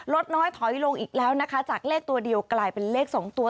ลดน้อยถอยลงอีกแล้วนะคะจากเลขตัวเดียวกลายเป็นเลขสองตัว